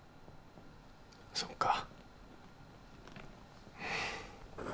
そっか。